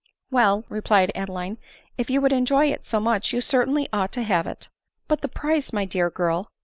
," Well, " replied Adeline, " if you would enjoy it so much, you certainly ought to have it." " But the price, my dear girl